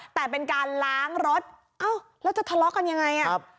แต่เป็นการล้างรถเอ้าแล้วจะทะเลาะกันยังไงอ่ะ